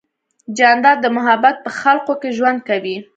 جانداد د محبت په خلقو کې ژوند کوي.